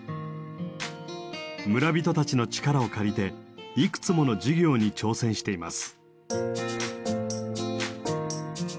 村人たちの力を借りていくつもの事業に挑戦しています。